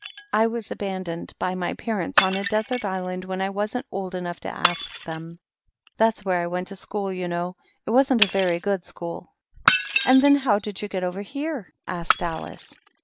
I was abandoned by my parents on a desert island when I wasn't old enough to ask them. That's where I went to school, you know. It wasn't a very good school." " And then how did you get over here ?" asked Alice.